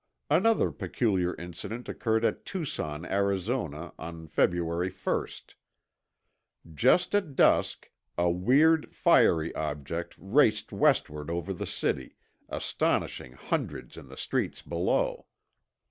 Another peculiar incident occurred at Tucson, Arizona, on February 1. Just at dusk, a weird, fiery object raced westward over the city, astonishing hundreds in the streets below.